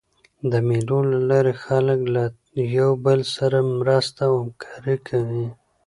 د مېلو له لاري خلک له یو بل سره مرسته او همکاري کوي.